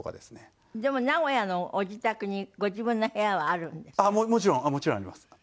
でも名古屋のご自宅にご自分の部屋はあるんですか？